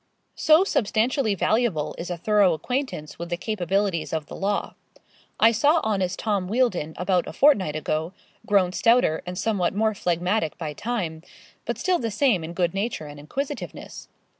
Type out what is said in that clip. So substantially valuable is a thorough acquaintance with the capabilities of the law. I saw honest Tom Wealdon about a fortnight ago grown stouter and somewhat more phlegmatic by time, but still the same in good nature and inquisitiveness.